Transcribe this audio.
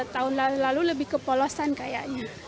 tahun lalu lebih ke polosan kayaknya